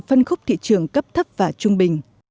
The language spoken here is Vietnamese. phân khúc thị trường cấp thấp và trung bình